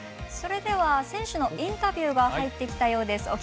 選手のインタビューが入ってきたようです。